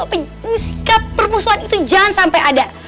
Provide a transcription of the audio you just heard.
sikap permusuhan itu jangan sampai ada